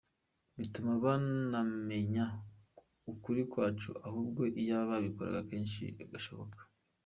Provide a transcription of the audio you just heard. Bituma banamenya ukuri kwacu, ahubwo iyaba babikoraga kenshi gashoboka.